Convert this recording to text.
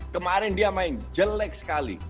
kemarin dia main jelek sekali